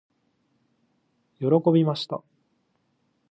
喜びました。